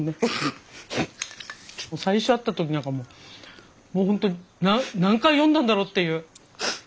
最初会った時なんかもうほんとに何回読んだんだろうっていう。